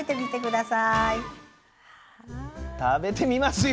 食べてみますよ。